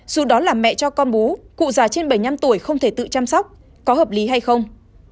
dù đó là mẹ cho con bú cụ già trên bảy mươi năm tuổi không thể tự chăm sóc có hợp lý hay không